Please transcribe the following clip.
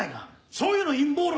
そういうの陰謀論